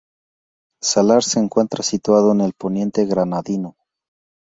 Salar se encuentra situado en el Poniente Granadino.